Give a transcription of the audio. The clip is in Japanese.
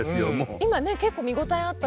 今ね結構見応えあったので。